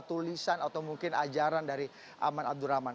tulisan atau mungkin ajaran dari aman abdurrahman